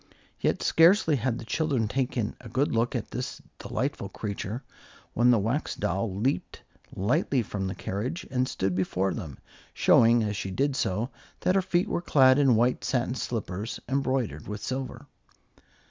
Yet scarcely had the children taken a good look at this delightful creature, when the Wax Doll leaped lightly from the carriage and stood before them, showing, as she did so, that her feet were clad in white satin slippers, embroidered with silver.